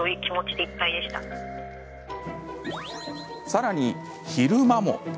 さらに昼間も。